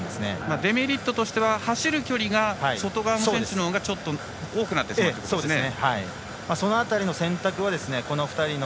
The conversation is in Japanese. デメリットとしては走る距離が外側の選手のほうがちょっと多くなってしまうということですね。